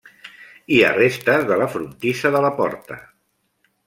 Hi ha restes de la frontissa de la porta.